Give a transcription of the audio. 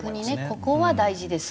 「ここは大事です」。